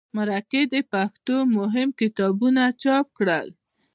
مرکې د پښتو مهم کتابونه چاپ کړل.